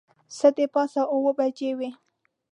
څه د پاسه اوه بجې وې.